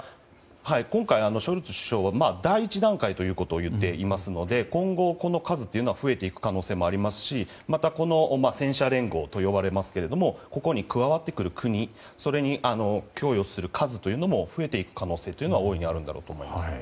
今回、ショルツ首相は第１段階と言っていますので今後、この数というのは増えていく可能性がありますしまた戦車連合と呼ばれますけどもここに加わってくる国それに供与する数というのも増えていく可能性は大いにあると思います。